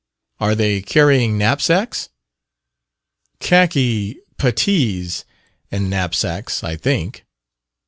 "Are they carrying knapsacks?" "Khaki, puttees, and knapsacks, I think."